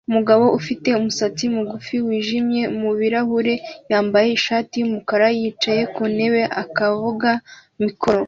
Umugore ufite umusatsi mugufi wijimye mubirahuri yambaye ishati yumukara yicaye ku ntebe akavuga mikoro